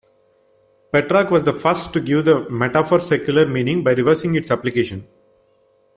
Petrarch was the first to give the metaphor secular meaning by reversing its application.